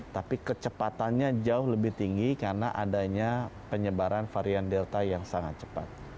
tapi kecepatannya jauh lebih tinggi karena adanya penyebaran varian delta yang sangat cepat